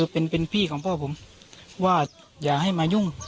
เป็นพี่ของพ่อผมว่าอย่าให้มายุ่ง